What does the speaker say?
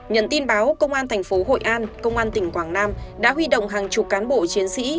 nhận tin báo công an thành phố hội an công an tỉnh quảng nam đã huy động hàng chục cán bộ chiến sĩ